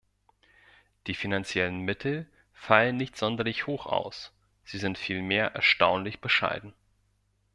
Die finanziellen Mittel fallen nicht sonderlich hoch aus, sie sind vielmehr erstaunlich bescheiden.